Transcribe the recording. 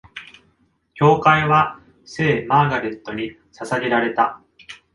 教会は聖マーガレットに捧げられた。